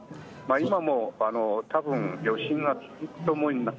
今も、たぶん余震は続くと思います。